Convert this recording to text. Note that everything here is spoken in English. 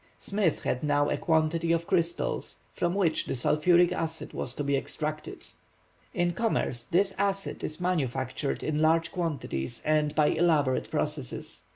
Smith had now a quantity of crystals, from which the sulphuric acid was to be extracted. In commerce this acid is manufactured in large quantities and by elaborate processes.